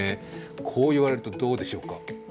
こう言われるとどうでしょうか？